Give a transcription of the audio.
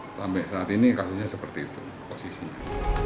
sampai saat ini kasusnya seperti itu posisinya